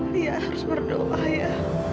liat harus berdoa ya